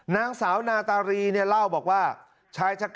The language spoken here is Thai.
นางสาวนาตารีเนี่ยเล่าบอกว่า